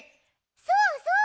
そうそう！